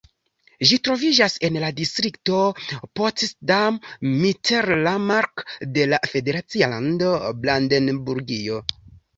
Ĝi troviĝas en la distrikto Potsdam-Mittelmark de la federacia lando Brandenburgio.